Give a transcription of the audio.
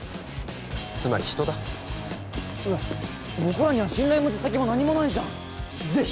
つまり人だ僕らには信頼も実績も何もないじゃんぜひ！